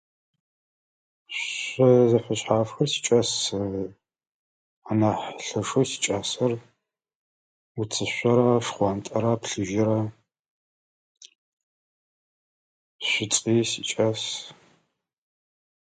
Шъо зэфэшъхъафхэр сикӏас. Анахь лъэшэу сикӏасэр уцышъорэ шхъуантӏэрэ плъыжьэрэ. Шӏуцӏыи сикӏас.